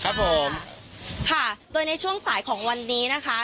ครับผมค่ะโดยในช่วงสายของวันนี้นะคะ